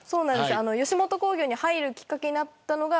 吉本興業に入るきっかけになったのが。